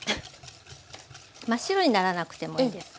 真っ白にならなくてもいいです。